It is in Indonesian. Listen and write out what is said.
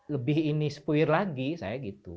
lebih ini spuir lagi saya gitu